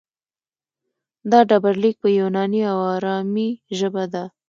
دا ډبرلیک په یوناني او ارامي ژبه دی